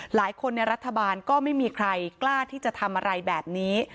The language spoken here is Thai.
หลายคนในรัฐบาลก็ไม่มีใครกล้าที่จะทำอะไรแบบนี้